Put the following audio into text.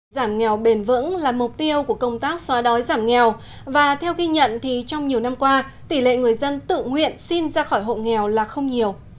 giảm nghèo bền vững là mục tiêu của công tác xóa đói giảm nghèo và theo ghi nhận thì trong nhiều năm qua tỷ lệ người dân tự nguyện xin ra khỏi hộ nghèo là không nhiều